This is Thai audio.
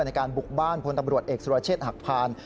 ในการบุกบ้านพลตำรวจเอกสุรเชษฐ์หักพาน